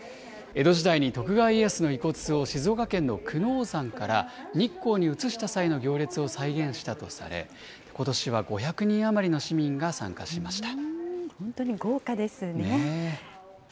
江戸時代に徳川家康の遺骨を静岡県の久能山から日光に移した際の行列を再現したとされ、ことしは５００人余りの市民が参加しまし本当に豪華ですね。